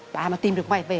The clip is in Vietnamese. bà mà tìm được mày về